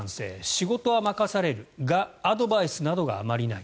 仕事は任されるがアドバイスなどがあまりない。